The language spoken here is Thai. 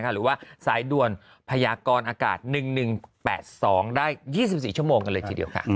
หรือว่าสายด่วนพยากรอากาศ๑๑๘๒ได้๒๔ชั่วโมงกันเลยทีเดียวค่ะ